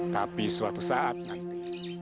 tapi suatu saat nanti